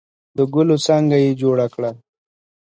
د ګلو څانګه یې جوړه کړه.